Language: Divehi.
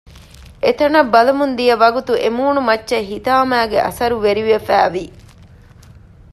އެތަނަށް ބަލަމުން ދިޔަ ވަގުތު އެ މުނޫމައްޗަށް ހިތާމައިގެ އަސަރު ވެރިވެފައިވި